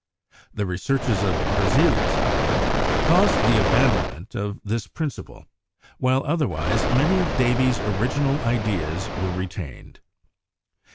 The researches of Berzelius, however, caused the abandonment of this principle, while otherwise many of Davy's original ideas were retained.